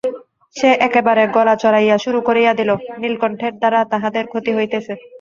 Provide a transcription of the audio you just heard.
সে একেবারে গলা চড়াইয়া শুরু করিয়া দিল, নীলকণ্ঠের দ্বারা তাহাদের ক্ষতি হইতেছে।